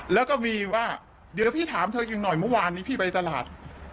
แล้วก็มีว่าเดี๋ยวพี่ถามเธออีกหน่อยเมื่อวานนี้พี่ไปตลาด